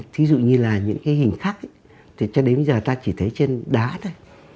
thí dụ như là những cái hình khắc thì cho đến giờ ta chỉ thấy trên đá thôi